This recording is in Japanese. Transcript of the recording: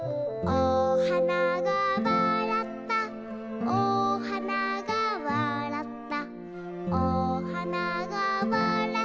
「おはながわらったおはながわらった」